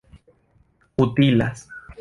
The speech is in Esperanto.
utilas